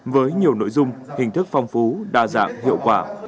với nhiều nội dung hình thức phong phú đa dạng hiệu quả